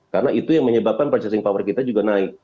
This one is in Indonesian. karena itu yang menyebabkan purchasing power kita juga naik